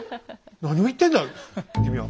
何を言ってんだ君は。